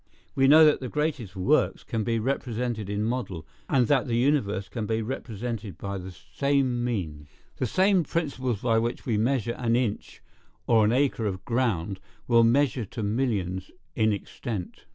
We know that the greatest works can be represented in model, and that the universe can be represented by the same means. The same principles by which we measure an inch or an acre of ground will measure to millions in extent.